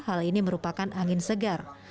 hal ini merupakan angin segar